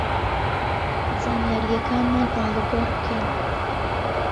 زانیارییەکانمان ئاڵوگۆڕ بکەین